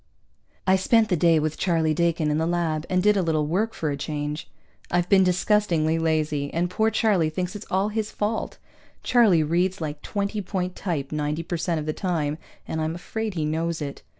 I spent the day with Charlie Dakin in the lab, and did a little work for a change. I've been disgustingly lazy, and poor Charlie thinks it's all his fault. Charlie reads like twenty point type ninety per cent of the time, and I'm afraid he knows it.